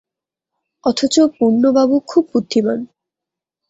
অথচ পূর্ণবাবু খুব বুদ্ধিমান।